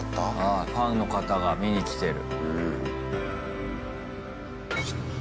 あファンの方が見に来てる。